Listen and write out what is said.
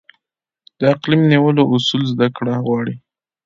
د قلم نیولو اصول زده کړه غواړي.